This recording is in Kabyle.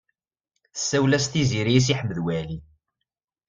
Tsawel-as Tiziri i Si Ḥmed Waɛli.